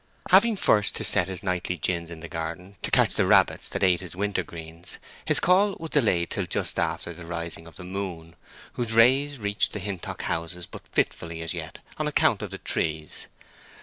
Having first to set his nightly gins in the garden, to catch the rabbits that ate his winter greens, his call was delayed till just after the rising of the moon, whose rays reached the Hintock houses but fitfully as yet, on account of the trees.